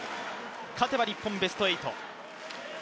勝てば日本、ベスト８。